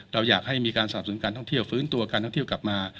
เราอยากให้มีการสนับสนุนการท่องเที่ยวฟื้นตัวการท่องเที่ยวกลับมา